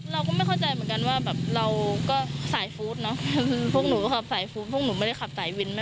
เราก็ไม่เข้าใจเหมือนกันว่าแบบเราก็สายฟู้ดเนอะพวกหนูก็ขับสายฟู้ดพวกหนูไม่ได้ขับสายวินแม่